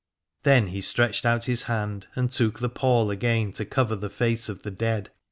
Then he stretched out his hand and took the pall again to cover the face of the dead.